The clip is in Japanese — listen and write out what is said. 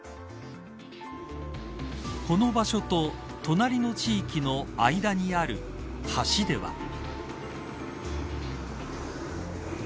この場所と隣の地域の間にある橋では。